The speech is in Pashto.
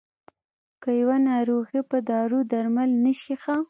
که يوه ناروغي په دارو درمل نه شي ښه.